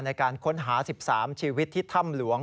ในการค้นหา๑๓ชีวิตที่ถ้ำหลวง